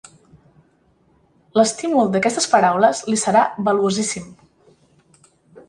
L'estímul d'aquestes paraules li serà valuosíssim.